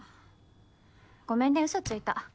ごめんねうそついた。